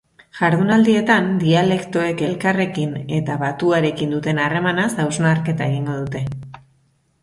Jardunaldietan, dialektoek elkarrekin eta batuarekin duten harremanaz hausnarketa egingo dute.